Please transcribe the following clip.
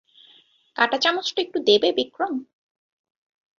কাঁটাচামচটা একটু দেবে, বিক্রম?